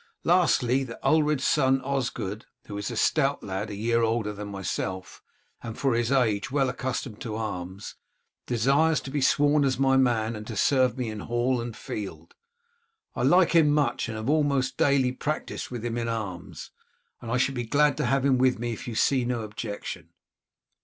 Lastly, that Ulred's son Osgod, who is a stout lad a year older than myself, and for his age well accustomed to arms, desires to be sworn as my man and to serve me in hall and in field. I like him much and have almost daily practised with him in arms, and I should be glad to have him with me if you see no objection."